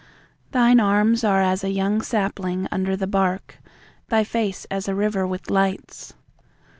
Thine arms are as a young sapling under the bark; Thy face as a river with lights.